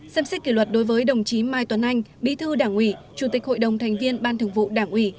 ba xem xét kỷ luật đối với đồng chí mai tuấn anh bí thư đảng ủy chủ tịch hội đồng thành viên ban thường vụ đảng ủy